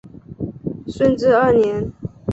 顺治二年。